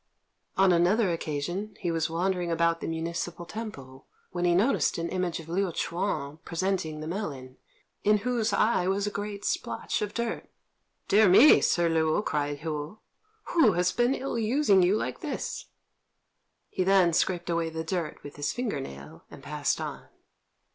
On another occasion, he was wandering about the municipal temple when he noticed an image of Liu Ch'üan presenting the melon, in whose eye was a great splotch of dirt. "Dear me, Sir Liu!" cried Hou, "who has been ill using you like this?" He then scraped away the dirt with his finger nail, and passed on.